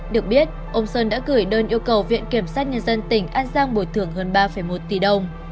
được biết ông sơn đã gửi đơn yêu cầu viện kiểm sát nhân dân tỉnh an giang bồi thường hơn ba một tỷ đồng